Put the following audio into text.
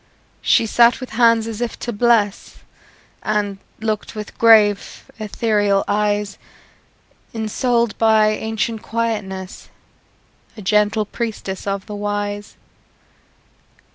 She sat with hands as if to bless, And looked with grave, ethereal eyes; Ensouled by ancient quietness, A gentle priestess of the Wise.